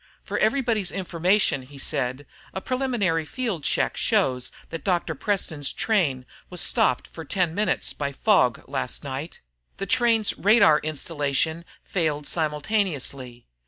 "For everybody's information," he said, "a preliminary field check shows that Dr. Preston's train was stopped for ten minutes by fog last night. The train's radar installation failed simultaneously.